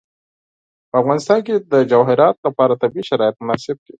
په افغانستان کې د جواهرات لپاره طبیعي شرایط مناسب دي.